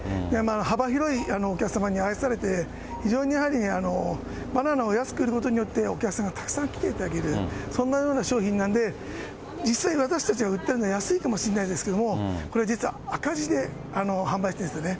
幅広いお客様に愛されて、非常にやはりバナナを安く売ることによって、お客さんがたくさん来ていただける、そんなような商品なんで、実際私たちが売ってるのは安いかもしれないですけど、これ実は赤字で販売しているんですよね。